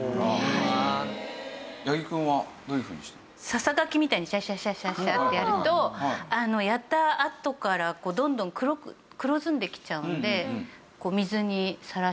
ささがきみたいにシャシャシャシャシャってやるとやったあとからどんどん黒ずんできちゃうんで水にさらしたり。